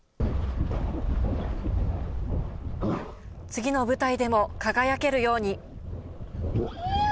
次の舞台でも輝けるように。